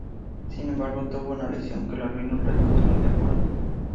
Sin embargo, tuvo una lesión que le arruinó el resto de la temporada.